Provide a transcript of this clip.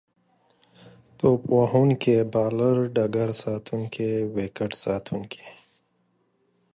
توپ وهونکی، بالر، ډګرساتونکی، ويکټ ساتونکی